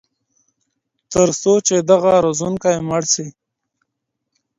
تر څو چي دغه روزونکی مړ سي.